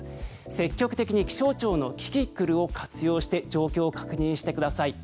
積極的に気象庁のキキクルを活用して状況を確認してください。